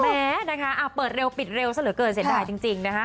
แม้นะคะอ่ะเปิดเร็วปิดเร็วเสลอเกินเสร็จได้จริงนะคะ